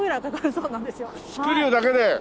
そうなんですよ。